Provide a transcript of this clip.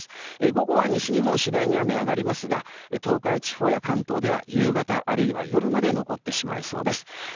午後は西日本次第に雨が上がりますが東海地方や関東では夕方あるいは夜まで残ってしまいそうです。